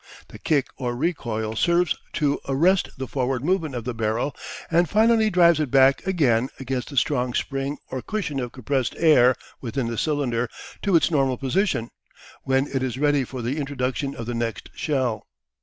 The kick or recoil serves to arrest the forward movement of the barrel and finally drives it back again against the strong spring or cushion of compressed air within the cylinder to its normal position, when it is ready for the introduction of the next shell.